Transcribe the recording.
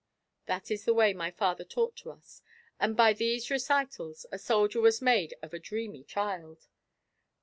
"That is the way my father talked to us, and by these recitals, a soldier was made of a dreamy child.